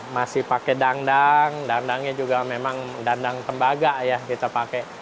masih pakai dangdang dandangnya juga memang dandang tembaga ya kita pakai